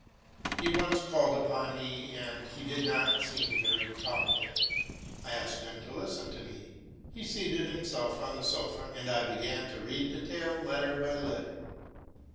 He once called upon me; and, as he did not seem very talkative, I asked him to listen to me. He seated himself on the sofa; and I began to read the tale, letter by letter.